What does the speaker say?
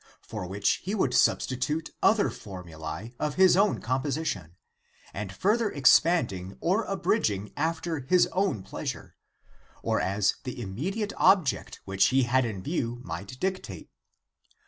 for which he would substitute other formulae of his own composition, and further expanding or abridging after his own pleasure, or as the immediate object which he had in view might dic tate.